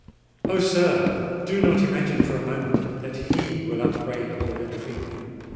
"Oh! sir—do not imagine for a moment that he will upbraid or ill treat me!"